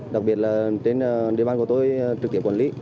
đặc biệt là trên địa bàn của tôi trực tiếp quản lý